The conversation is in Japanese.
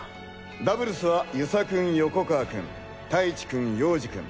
ダブルスは遊佐君・横川君太一君・陽次君